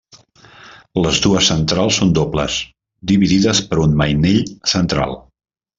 Les dues centrals són dobles, dividides per un mainell central.